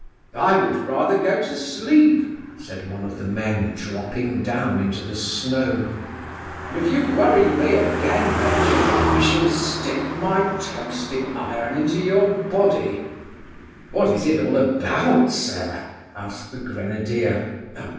"I would rather go to sleep," said one of the men, dropping down into the snow; "and if you worry me again, major, I shall stick my toasting iron into your body." "What is it all about, sir?" asked the grenadier.